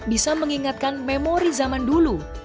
bisa mengingatkan memori zaman dulu